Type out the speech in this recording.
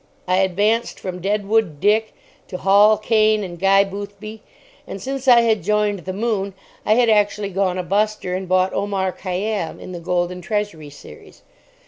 I advanced from Deadwood Dick to Hall Caine and Guy Boothby; and since I had joined the "Moon" I had actually gone a buster and bought Omar Khayyam in the Golden Treasury series.